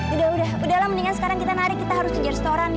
udah udah udahlah mendingan sekarang kita narik kita harus kejar setoran